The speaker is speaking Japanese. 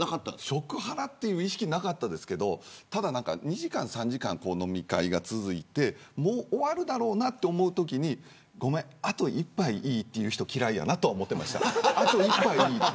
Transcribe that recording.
食ハラの意識はなかったですけど２時間、３時間、飲み会が続いてもう終わるだろうなと思うときにごめん、あと一杯いいと言う人嫌いやなと思っていました。